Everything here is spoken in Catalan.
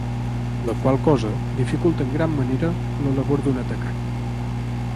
La qual cosa dificulta en gran manera la labor d'un atacant.